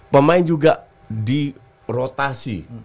pemain juga di rotasi